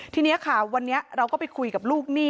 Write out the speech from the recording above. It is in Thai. ทีนี้ค่ะวันนี้เราก็ไปคุยกับลูกหนี้